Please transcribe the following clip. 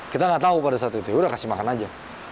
kita nggak tahu pada saat itu yaudah kasih makan aja